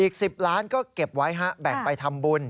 อีก๑๐ล้านก็เก็บไว้แบ่งไปทำบุญ